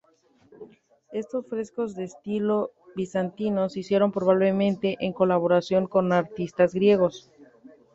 Estos frescos de estilo bizantino se hicieron probablemente en colaboración con artistas griegos.